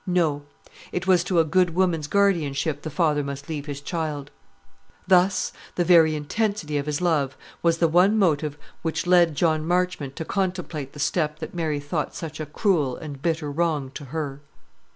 No; it was to a good woman's guardianship the father must leave his child. Thus the very intensity of his love was the one motive which led John Marchmont to contemplate the step that Mary thought such a cruel and bitter wrong to her.